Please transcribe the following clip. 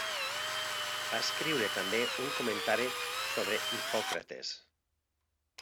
Va escriure també un comentari sobre Hipòcrates.